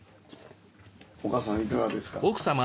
お母さんいかがですか？